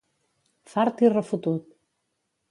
Fart i refotut.